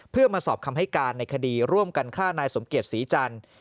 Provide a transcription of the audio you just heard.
เพื่อมาสอบคำให้การในคดีร่วมกันฆ่านายสมเกียจศรีจันทร์